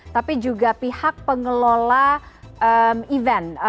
tapi juga pihak pengelola event